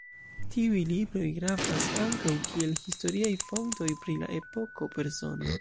Tiuj libroj gravas ankaŭ kiel historiaj fontoj pri la epoko, persono.